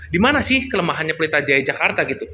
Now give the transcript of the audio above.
dimana sih kelemahannya pritajaya jakarta gitu